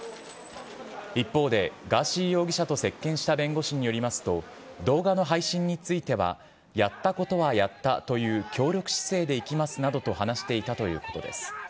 一方で、ガーシー容疑者と接見した弁護士によりますと、動画の配信については、やったことはやったという協力姿勢でいきますなどと話していたということです。